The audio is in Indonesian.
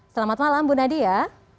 selamat malam bu nadia